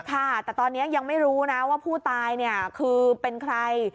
ค่ะแต่ตอนนี้ยังไม่รู้นะว่าผู้ตายเนี่ยคือเป็นใคร